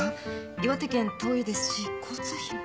岩手県遠いですし交通費も。